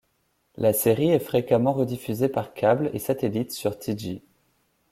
La série est fréquemment rediffusée par câble et satellite sur TiJi.